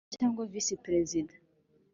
Perezida cyangwa vici perezida